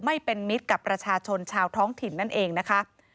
ไม่เป็นมิตรกับประชาชนชาวท้องถิ่นนั่นเองนะคะ